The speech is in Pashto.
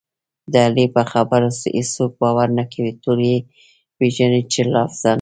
د علي په خبرو هېڅوک باور نه کوي، ټول یې پېژني چې لافزن دی.